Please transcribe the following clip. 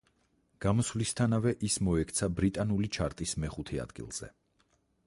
გამოსვლისთანავე ის მოექცა ბრიტანული ჩარტის მეხუთე ადგილზე.